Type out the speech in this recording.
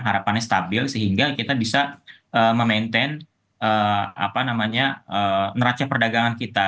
harapannya stabil sehingga kita bisa memaintain neraca perdagangan kita